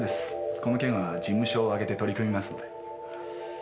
この件は事務所を挙げて取り組みますんで。